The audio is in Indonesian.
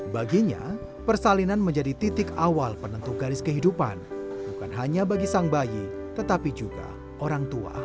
baginya persalinan menjadi titik awal penentu garis kehidupan bukan hanya bagi sang bayi tetapi juga orang tua